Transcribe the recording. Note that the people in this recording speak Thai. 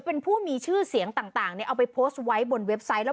เป็นผู้มีชื่อเสียงต่างเนี่ยเอาไปโพสต์ไว้บนเว็บไซต์แล้ว